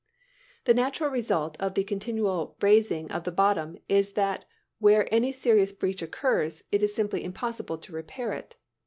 The natural result of the continual raising of the bottom is that where any serious breach occurs, it is simply impossible to repair it.